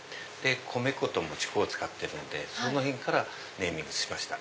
米粉ともち粉と使ってるんでその辺からネーミングしました。